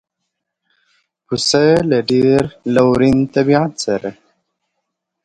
پسه له ډېر لورین طبیعت سره دی.